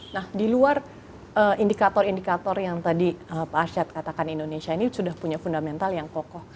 nah di luar indikator indikator yang tadi pak arsyad katakan indonesia ini sudah punya fundamental yang kokoh